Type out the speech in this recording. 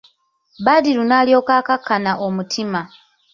Badru n'alyoka akakkana omutima.